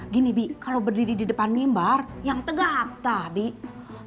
gini bi kalau berdiri di depan mimbar yang tegak ta abie